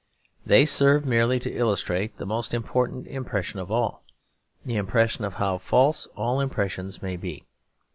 They serve merely to illustrate the most important impression of all, the impression of how false all impressions may be.